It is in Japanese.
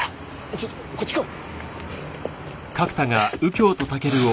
ちょっとこっち来い。